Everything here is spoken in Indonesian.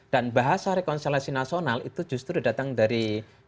dan bahasa rekonsiliasi nasional itu justru datang dari dua ratus dua belas